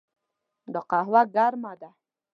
دا قهوه ګرمه ده.